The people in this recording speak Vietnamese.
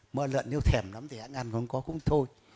mỡ lợn nếu thèm lắm thì ăn ăn không có cũng thôi